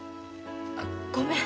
あごめん。